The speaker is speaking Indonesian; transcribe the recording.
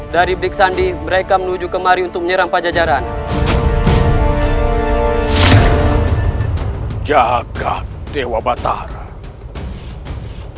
dari blik sandi mereka menuju kemari untuk menyerang pajejaran jaga dewa batara kau yang